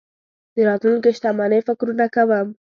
د راتلونکې شتمنۍ فکرونه کوم.